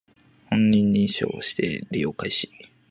本人認証をして利用開始